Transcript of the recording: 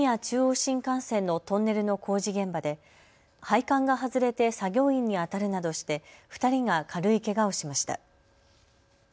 中央新幹線のトンネルの工事現場で配管が外れて作業員に当たるなどして２人が軽いけがをしました。